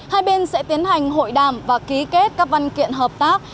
hai bên sẽ tiến hành hội đàm và ký kết các văn kiện hợp tác